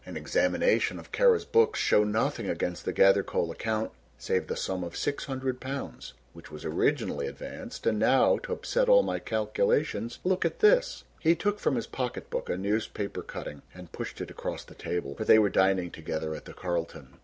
An examination of Kara's books show nothing against the Gathercole account save the sum of 600 pounds which was originally advanced, and now to upset all my calculations, look at this." He took from his pocketbook a newspaper cutting and pushed it across the table, for they were dining together at the Carlton.